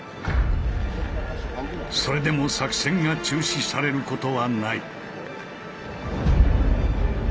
それでも作戦が中止されることはない。